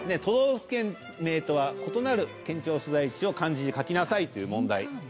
「都道府県名とは異なる県庁所在地を漢字で書きなさい」という問題。